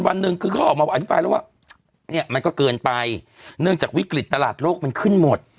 วันหนึ่งคือเขาออกมาอธิบายแล้วว่าเนี่ยมันก็เกินไปเนื่องจากวิกฤตตลาดโลกมันขึ้นหมด